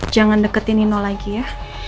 jangan deketin nino lagi ya